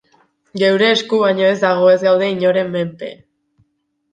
Geure esku baino ez dago, ez gaude inoren menpe.